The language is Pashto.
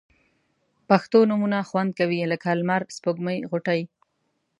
پښتو نومونه خوند کوي لکه لمر، سپوږمۍ، غوټۍ